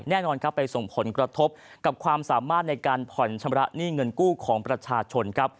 แน่นอนครับไปส่งผลกระทบกับความสามารถในการผ่อนชำระหนี้เงินกู้ของประชาชนครับ